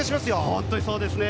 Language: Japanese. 本当にそうですね。